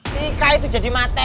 si ika itu jadi mate